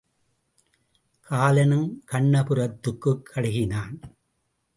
காலனுங் கண்ணபுரத்துக்குக் கடுகினன்.